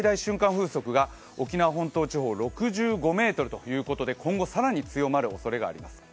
風速が沖縄本島地方６５ｍということで今後更に強まるおそれがあります。